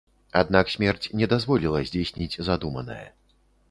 Аднак смерць не дазволіла здзейсніць задуманае.